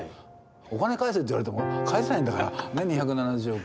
お金返せって言われても返せないんだからねっ。